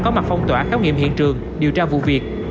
có mặt phong tỏa khám nghiệm hiện trường điều tra vụ việc